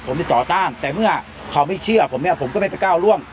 ผมจะต่อต้านแต่เมื่อเขาไม่เชื่อผมเนี่ยผมก็ไม่ไปก้าวร่วง